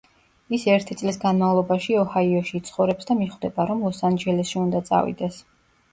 ის ერთი წლის განმავლობაში ოჰაიოში იცხოვრებს და მიხვდება, რომ ლოს-ანჯელესში უნდა წავიდეს.